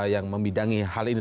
yang memidangi hal ini